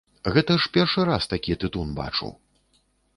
Гэта ж першы раз такі тытун бачу.